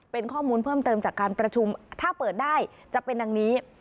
เป็นข้อมูลเพิ่มเติมจากการประชุมถ้าเปิดได้จะเป็นดังนี้